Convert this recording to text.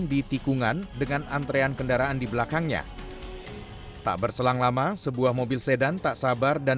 di tikungan dengan antrean kendaraan di belakangnya tak berselang lama sebuah mobil sedan tak sabar dan